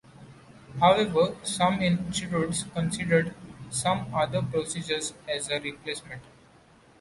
However, some institutes considered some other procedures as a replacement.